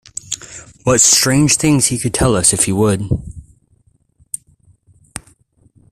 What strange things he could tell us if he would!